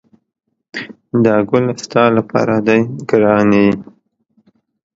دا ګل ستا لپاره دی ګرانې!